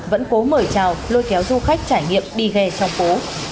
vẫn cố mời trào lôi kéo du khách trải nghiệm đi ghe trong phố